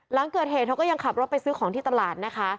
หลังเกิดเหตุเธอก็ยังขับรถไปซื้อของที่ตลาดนะคะ